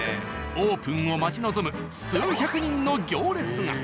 オープンを待ち望む数百人の行列が。